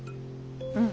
うん。